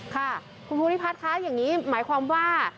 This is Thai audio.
ค่ะคุณภูริพัฒน์คะอย่างนี้หมายความว่า